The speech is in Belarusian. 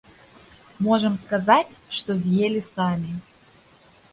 Можам сказаць, што з'елі самі.